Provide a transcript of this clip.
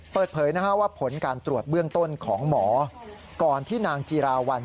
เปิดเผยว่าผลการตรวจเบื้องต้นของหมอก่อนที่นางจีราวัล